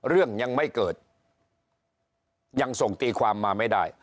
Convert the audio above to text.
เรื่องยังไม่เกิดยังส่งตีความมาไม่ได้